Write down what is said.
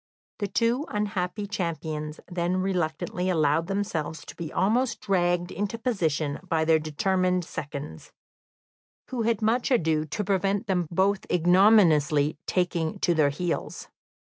The two unhappy champions then reluctantly allowed themselves to be almost dragged into position by their determined seconds, who had much ado to prevent them both ignominiously taking to their heels.